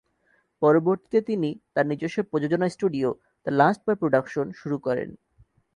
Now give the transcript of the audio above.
পরবর্তীতে তিনি তার নিজস্ব প্রযোজনা studio, "the lost boy production" শুরু করেন।